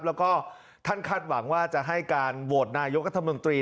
แล้วก็ท่านคาดหวังว่าจะให้การโหวตนายกัธมนตรี